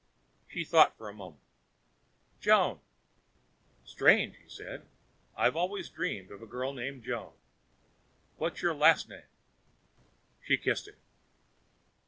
She thought for a moment. "Joan." "Strange," he said. "I always dreamed of a girl named Joan. What's your last name?" She kissed him.